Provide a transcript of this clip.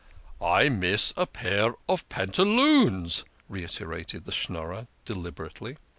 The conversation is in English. "I miss a pair of pantaloons !" reiterated the Schnorrer deliberately.